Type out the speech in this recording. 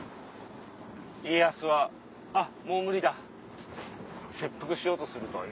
家康はあっもう無理だっつって切腹しようとするという。